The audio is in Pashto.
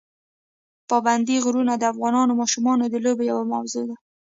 پابندي غرونه د افغان ماشومانو د لوبو یوه موضوع ده.